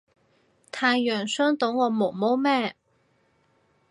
太陽傷到我毛毛咩